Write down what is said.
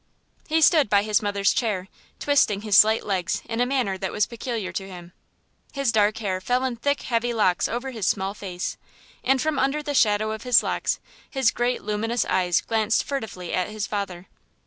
He stood by his mother's chair, twisting his slight legs in a manner that was peculiar to him. His dark hair fell in thick, heavy locks over his small face, and from under the shadow of his locks his great luminous eyes glanced furtively at his father.